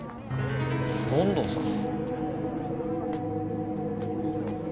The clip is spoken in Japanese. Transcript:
権藤さん。